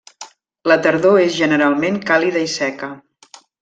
La tardor és generalment càlida i seca.